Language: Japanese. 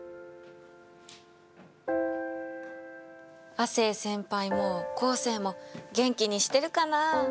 亜生先輩も昴生も元気にしてるかな？